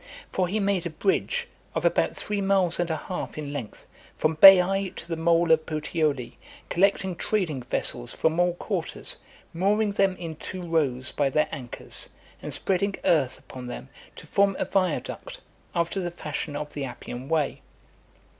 For he made a bridge, of about three miles and a half in length, from Baiae to the mole of Puteoli , collecting trading vessels from all quarters, mooring them in two rows by their anchors, and spreading earth upon them to form a viaduct, after the fashion of the Appian Way .